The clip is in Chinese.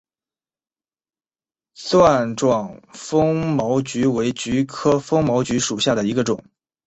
钻状风毛菊为菊科风毛菊属下的一个种。